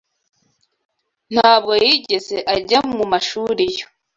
Ntabwo yigeze ajya mu mashuri yo